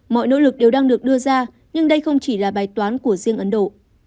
mọi nỗ lực đều đang được đưa ra nhưng đây không chỉ là bài toán của riêng ấn độ